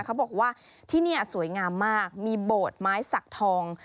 เขาบอกว่าที่นี่สวยงามมากมีโบสถ์ไม้สักทอง